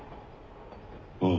ああ。